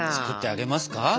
作ってあげますか？